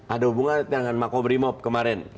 ada hubungan dengan ma kobrimob kemarin